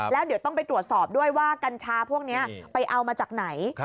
แล้วเดี๋ยวต้องไปตรวจสอบด้วยว่ากัญชาพวกนี้ไปเอามาจากไหน